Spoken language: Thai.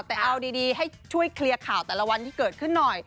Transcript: แต่เอาดีให้ช่วยเคลียร์ข่าวแต่ละวันที่เกิดขึ้นหน่อย